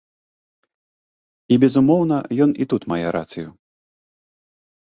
І, безумоўна, ён і тут мае рацыю.